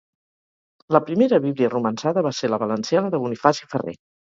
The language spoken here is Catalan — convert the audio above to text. La primera bíblia romançada va ser la valenciana de Bonifaci Ferrer